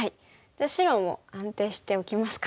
じゃあ白も安定しておきますか。